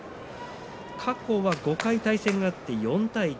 過去は５回対戦があって４対１。